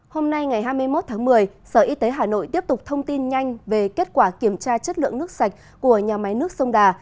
hôm nay ngày hai mươi một tháng một mươi sở y tế hà nội tiếp tục thông tin nhanh về kết quả kiểm tra chất lượng nước sạch của nhà máy nước sông đà